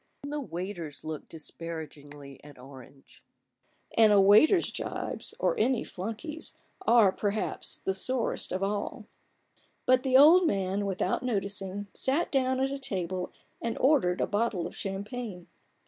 Even the waiters looked disparagingly at Orange ; and a waiter's jibes, or any flunkey's, are, perhaps, the sorest of all. But the old man, without noticing, sat down at a table and ordered a bottle of champagne.